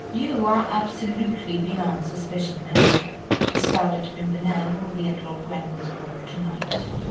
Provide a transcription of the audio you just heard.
You are absolutely beyond suspicion now. The Scarlet Pimpernel will be at Lord Grenville's ball to night.